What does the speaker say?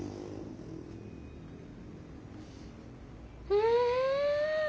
うん。